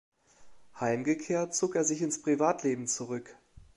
Heimgekehrt, zog er sich ins Privatleben zurück.